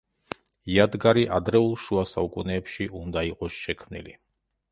იადგარი ადრეულ შუა საუკუნეებში უნდა იყოს შექმნილი.